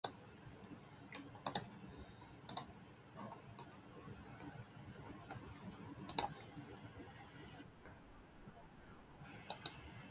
発声練習をする